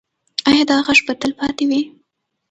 ایا دا غږ به تل پاتې وي؟